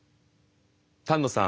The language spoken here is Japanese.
丹野さん